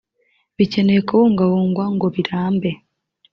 bikeneye kubungabungwa ngo birambe